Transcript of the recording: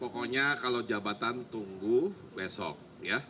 pokoknya kalau jabatan tunggu besok ya